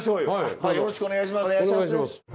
よろしくお願いします。